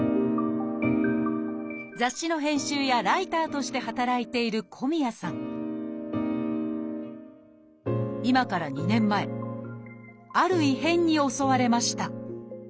雑誌の編集やライターとして働いている今から２年前ある異変に襲われました